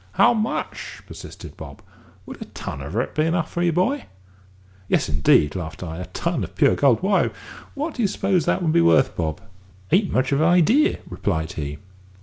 "How much?" persisted Bob. "Would a ton of it be enough for you, boy?" "Yes, indeed," laughed I; "a ton of pure gold why, what do you suppose that would be worth, Bob?" "Hain't much of a 'idee," replied he.